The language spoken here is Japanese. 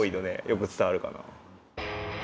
よく伝わるかな。